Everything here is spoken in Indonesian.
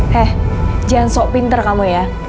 heeeh jangan sok pinter kamu ya